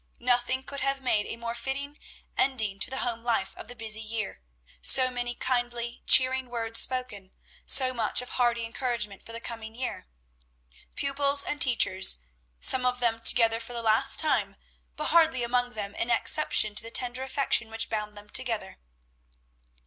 Nothing could have made a more fitting ending to the home life of the busy year; so many kindly, cheering words spoken, so much of hearty encouragement for the coming year. Pupils and teachers, some of them together for the last time, but hardly among them an exception to the tender affection which bound them together.